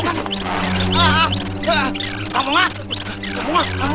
buat sangat menunggu